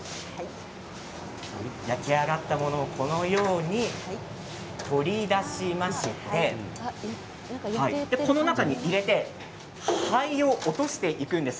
焼き上がったものをこのように取り出しましてこの中に入れて灰を落としていきます。